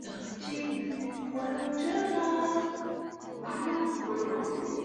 其为马来西亚乃至整个东南亚英文及自然历史书籍的出版商。